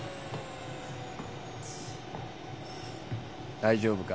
大丈夫か？